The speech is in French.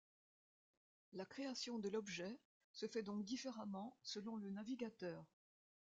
La création de l'objet se fait donc différemment selon le navigateur.